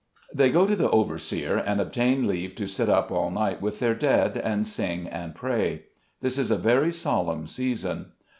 HEY go to the overseer, and obtain leave to sit up all night with their dead, and sing and pray. This is a very solemn season.